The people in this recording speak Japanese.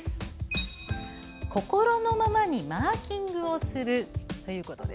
心のままにマーキングをする。